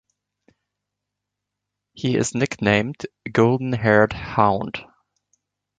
He is nicknamed "Golden Haired Hound".